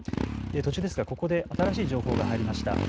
途中ですがここで新しい情報が入りました。